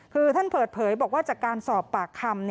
คือท่านเปิดเผยบอกว่าจากการสอบปากคำ